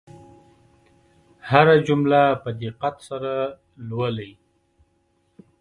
هره جمله په دقت سره لولئ.